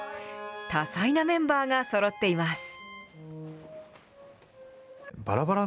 多彩なメンバーがそろっています。